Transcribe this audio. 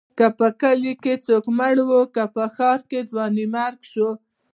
که په کلي کې څوک مړ و، که په ښار کې ځوانيمرګ شو.